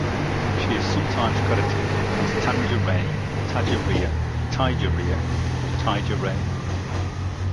She is sometimes credited as Tanja Rae, Taja Rea, Taija Rea, or Taija Ray.